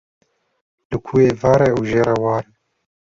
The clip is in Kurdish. Li ku êvar e ew jê re war e.